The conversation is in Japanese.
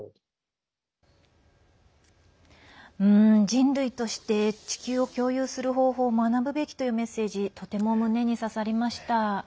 人類として地球を共有する方法を学ぶべきというメッセージとても胸に刺さりました。